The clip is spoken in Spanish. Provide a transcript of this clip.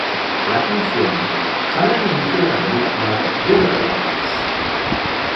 La Canción sale al inicio de la película "Guerra de Papás".